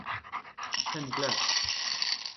hent glas